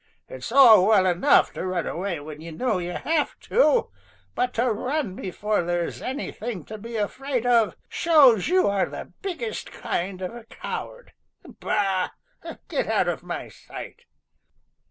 It's all well enough to run away when you know you have to, but to run before there is anything to be afraid of shows you are the biggest kind of a coward. Bah! Get out of my sight!"